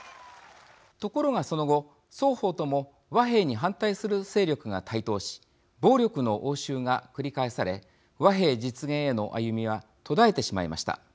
ところがその後双方とも和平に反対する勢力が台頭し暴力の応酬が繰り返され和平実現への歩みは途絶えてしまいました。